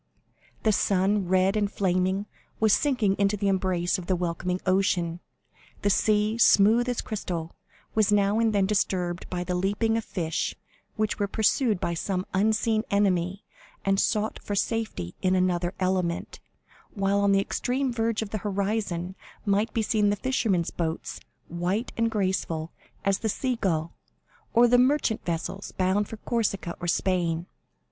The sun, red and flaming, was sinking into the embrace of the welcoming ocean. The sea, smooth as crystal, was now and then disturbed by the leaping of fish, which were pursued by some unseen enemy and sought for safety in another element; while on the extreme verge of the horizon might be seen the fishermen's boats, white and graceful as the sea gull, or the merchant vessels bound for Corsica or Spain.